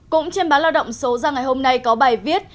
cũng trên báo lao động số ra ngày hôm nay có bài viết